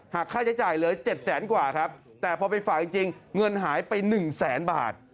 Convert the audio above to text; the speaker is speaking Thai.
หากค่าใช้จ่ายเลย๗แสนกว่าครับแต่พอไปฝากจริงเงินหายไป๑แสนบาท